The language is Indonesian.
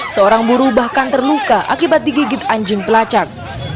seorang buruh bahkan terluka akibat digigit anjing pelacak